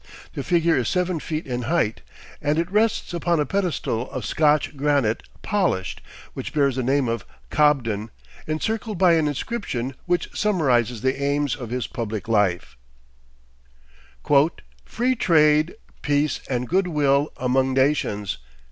The figure is seven feet in height, and it rests upon a pedestal of Scotch granite polished, which bears the name of COBDEN encircled by an inscription, which summarizes the aims of his public life: "FREE TRADE, PEACE AND GOOD WILL AMONG NATIONS."